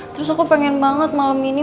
terus aku pengen banget malam ini